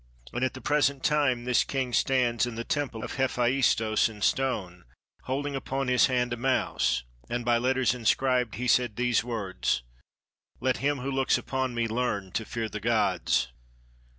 And at the present time this king stands in the temple of Hephaistos in stone, holding upon his hand a mouse, and by letters inscribed he says these words: "Let him who looks upon me learn to fear the gods."